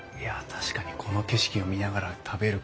確かにこの景色を見ながら食べる